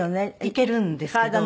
行けるんですけど。